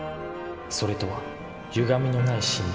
「それ」とはゆがみのない真理。